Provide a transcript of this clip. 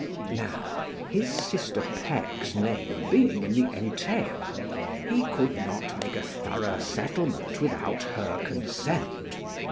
Now, his sister Peg's name being in the entail, he could not make a thorough settlement without her consent.